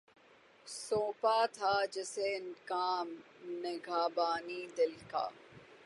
سونپا تھا جسے کام نگہبانئ دل کا